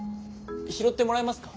拾ってもらえますか？